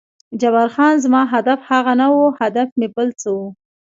جبار خان: زما هدف هغه نه و، هدف مې بل څه و.